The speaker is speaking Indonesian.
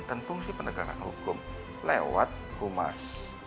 dan fungsi penegakan hukum lewat humas